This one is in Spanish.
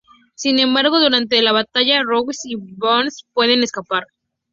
Sin embargo, durante la batalla, Rogers y Barnes pueden escapar.